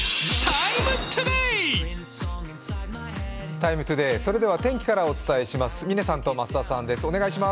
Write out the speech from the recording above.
「ＴＩＭＥ，ＴＯＤＡＹ」、天気からお伝えします。